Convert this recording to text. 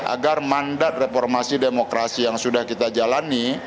agar mandat reformasi demokrasi yang sudah kita jalani